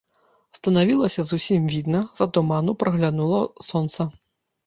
Станавілася зусім відна, з-за туману праглянула сонца.